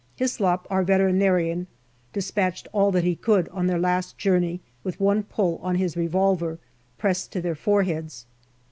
Hyslop, our Vet., dispatched all that he could on their last journey with one pull on his revolver, pressed to their foreheads.